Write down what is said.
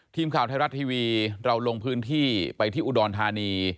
ทีมข่าวไทยรัฐทีวีเราลงพื้นที่ไปที่อุดรธานี